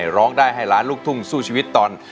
ร้องได้ให้ล้านลูกทุ่งสู้ชีวิตตอน